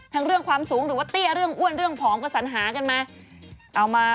เรื่องความสูงหรือว่าเตี้ยเรื่องอ้วนเรื่องผอมก็สัญหากันมาเอามา